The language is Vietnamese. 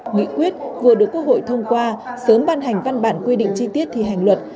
nghị quyết vừa được quốc hội thông qua sớm ban hành văn bản quy định chi tiết thi hành luật